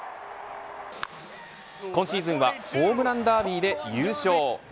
今シーズンはホームランダービーで優勝。